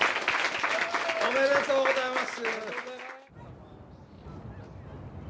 おめでとうございます！